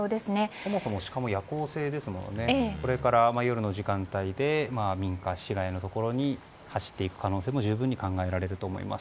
そもそもシカも夜行性ですのでこれから夜の時間帯で民間地以外のところにに走っていく可能性も十分に考えられると思います。